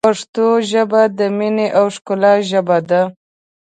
پښتو ژبه ، د مینې او ښکلا ژبه ده.